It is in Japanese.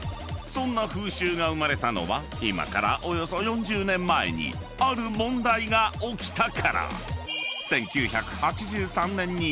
［そんな風習が生まれたのは今からおよそ４０年前にある問題が起きたから］